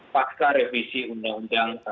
pasca revisi undang undang